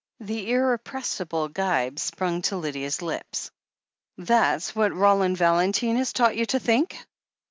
The irrepressible gibe sprung to Lydia's lips : "That's what Roland Valentine has taught you to think!"